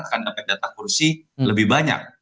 akan dapat data kursi lebih banyak